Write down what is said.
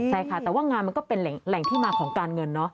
ใช่ค่ะแต่ว่างานมันก็เป็นแหล่งที่มาของการเงินเนาะ